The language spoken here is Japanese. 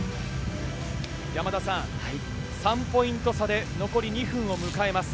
山田さん、３ポイント差で残り２分を迎えます。